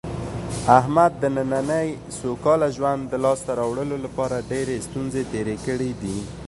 احمد د نننۍ سوکاله ژوند د لاسته راوړلو لپاره ډېرې ستونزې تېرې کړې دي.